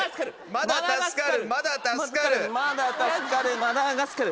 まだ助かるまだ助かる。